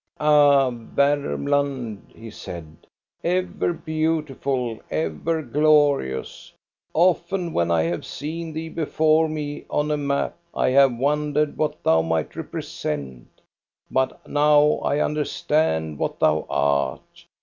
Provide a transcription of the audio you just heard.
"Ah, Varmland," he said, "ever beautiful, ever glorious ! Often, when I have seen thee before me on a map, I have wondered what thou might repre sent; but now I understand what thou art.